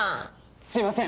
すみません！